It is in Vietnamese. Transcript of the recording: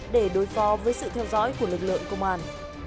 để đối phó với sự theo dõi của lực lượng công an